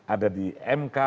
ada di mk